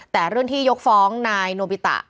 แต่เรื่องที่ยกฟ้องนายโนบิตะ